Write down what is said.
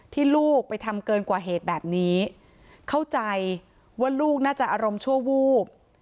ลูกไปทำเกินกว่าเหตุแบบนี้เข้าใจว่าลูกน่าจะอารมณ์ชั่ววูบ